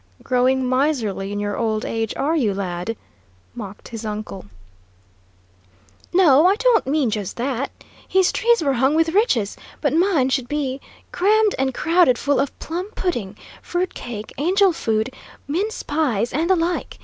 "Growing miserly in your old age, are you, lad?" mocked his uncle. "No; I don't mean just that. His trees were hung with riches, but mine should be crammed and crowded full of plum pudding, fruit cake, angel food, mince pies, and the like!